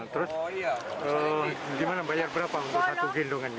terus gimana bayar berapa untuk satu gendongan